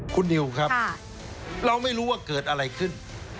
คุณนิวครับเราไม่รู้ว่าเกิดอะไรขึ้น